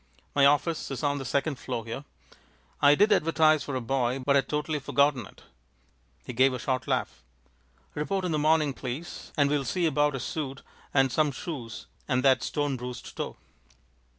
My office is on the second floor here. I did advertise for a boy, but had totally forgotten it." He gave a short laugh. "Report in the morning, please, and we'll see about a suit and some shoes and that stone bruised toe."